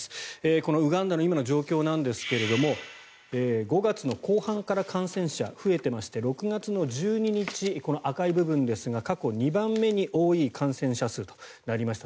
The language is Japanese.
このウガンダの今の状況ですけど５月後半から感染者増えていまして６月の１２日この赤い部分ですが過去２番目に多い感染者数となりました。